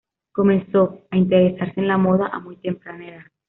Comenzó a interesarse en la moda a muy temprana edad.